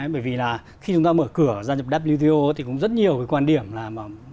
bởi vì là khi chúng ta mở cửa gia nhập wto thì cũng rất nhiều với quan điểm là